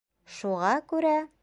Шуға күрә...